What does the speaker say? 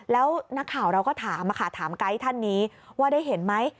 แล้วนักข่าวเราก็ถามค่ะถามไกด์ท่านนี้ว่าได้เห็นไหม